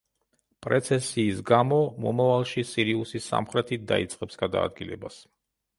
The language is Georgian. პრეცესიის გამო, მომავალში, სირიუსი სამხრეთით დაიწყებს გადაადგილებას.